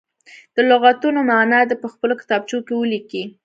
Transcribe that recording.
د لغتونو معنا دې په خپلو کتابچو کې ولیکي.